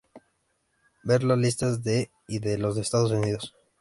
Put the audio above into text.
Ver las listas de y de los Estados Unidos.